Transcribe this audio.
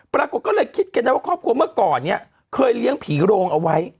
ปรากฏก็เลยคิดกันได้ว่าครอบครัวเมื่อก่อนเนี่ยเคยเลี้ยงผีโรงเอาไว้